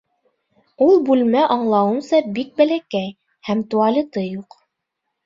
Ул бүлмә, аңлауымса, бик бәләкәй, һәм туалеты юҡ.